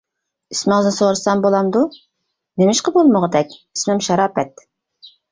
— ئىسمىڭىزنى سورىسام بولامدۇ؟ —نېمىشقا بولمىغۇدەك، ئىسمىم شاراپەت.